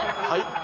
はい？